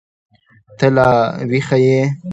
ته لا ويښه يې.